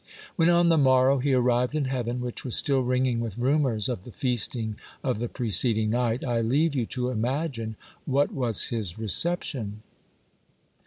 When on the morrow he arrived in heaven, which was still ringing with rumors of the feasting of the preceding night, I leave you to imagine what was his reception.